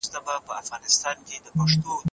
بهرنی سياست د هېواد پر کورنيو چارو څه اغېز لري؟